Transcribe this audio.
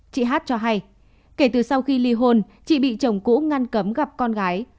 chị hát cho hay kể từ sau khi ly hôn chị bị chồng cũ ngăn cấm gặp con gái